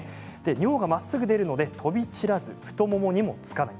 尿がまっすぐ出るので飛び散らず太ももにもつかない。